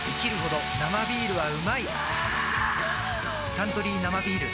「サントリー生ビール」